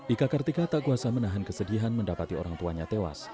ika kartika tak kuasa menahan kesedihan mendapati orang tuanya tewas